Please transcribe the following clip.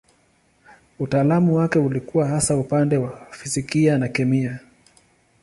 Utaalamu wake ulikuwa hasa upande wa fizikia na kemia.